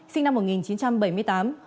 sinh năm một nghìn chín trăm bảy mươi tám